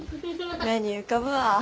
目に浮かぶわ。